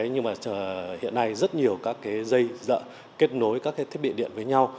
nhưng mà hiện nay rất nhiều các dây dỡ kết nối các thiết bị điện với nhau